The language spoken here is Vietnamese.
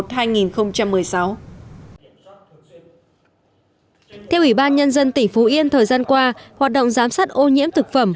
theo ủy ban nhân dân tỉnh phú yên thời gian qua hoạt động giám sát ô nhiễm thực phẩm